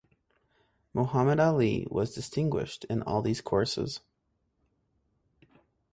Mohammad Ali was distinguished in all these courses.